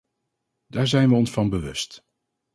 Daar zijn we ons van bewust.